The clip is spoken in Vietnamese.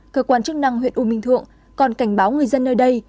cơ quan chức năng huyện u minh thượng còn cảnh báo người dân nơi đây